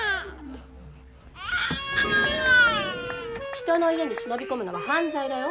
・人の家に忍び込むのは犯罪だよ。